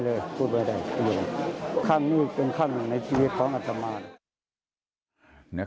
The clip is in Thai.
ครั้งนี้เป็นครั้งหนึ่งในชีวิตของอัศมานธ์